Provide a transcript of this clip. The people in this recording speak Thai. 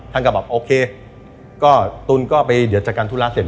ขั้นกระบับโอเคก็ตุลก็ไปเดี๋ยวจัดการธุระเสร็จ